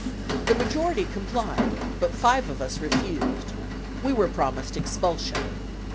The majority complied, but five of us refused. We were promised expulsion.